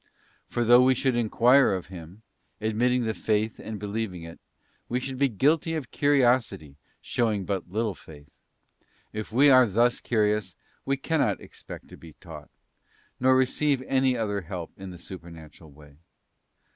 For though we should enquire of Him, admitting the Faith ———— and believing it, we should be guilty of curiosity showing but little faith. If we are thus curious we cannot expect to be taught, nor receive any other help in the supernatural way.